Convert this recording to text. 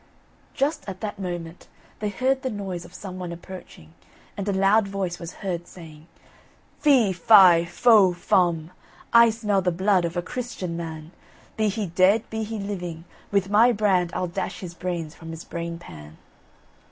Just at that moment they heard the noise of some one approaching, and a loud voice was heard saying: "Fee, fi, fo, fum, I smell the blood of a Christian man, Be he dead, be he living, with my brand, I'll dash his brains from his brain pan."